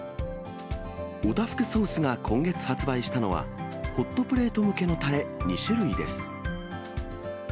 オタフクソースが今月発売したのは、ホットプレート向けのたれ２種類です。